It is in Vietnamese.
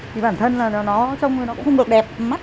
thì bản thân là nó trông nó cũng không được đẹp mắt